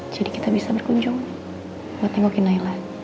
jadi kita bisa berkunjung buat nengokin nailah